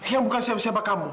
yang bukan siapa kamu